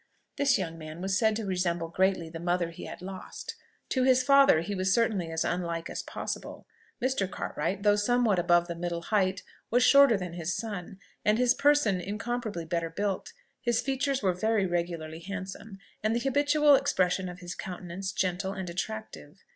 This young man was said to resemble greatly the mother he had lost: to his father he was certainly as unlike as possible. Mr. Cartwright, though somewhat above the middle height, was shorter than his son, and his person incomparably better built; his features were very regularly handsome, and the habitual expression of his countenance gentle and attractive.